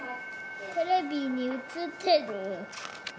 テレビに映ってる。